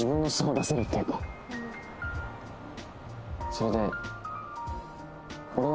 それで。